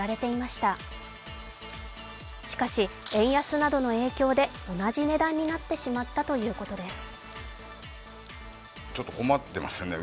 しかし、円安などの影響で同じ値段になってしまったというのです。